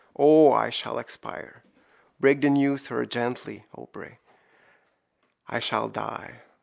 O, I shall expire! Break the news to her gently, Aubrey! I shall die!